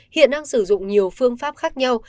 hiện đang sử dụng nhiều phương pháp khác nhau